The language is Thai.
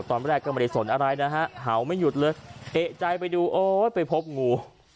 ตอนแรกก็ไม่ได้สนอะไรนะฮะเห่าไม่หยุดเลยเอกใจไปดูโอ๊ยไปพบงู